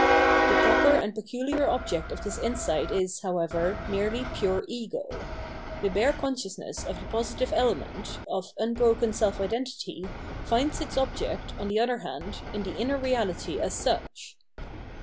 The proper and pecuhar object of this insight is, however, merely pure ego.* The bare consciousness of the positive element, of unbroken self identity, finds its object, on the other hand, in the inner reahty as such.